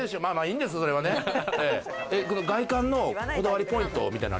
外観のこだわりポイントみたいの？